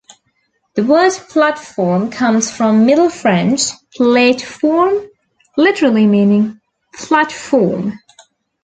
The word platform comes from Middle French "plate-forme", literally meaning "flat form".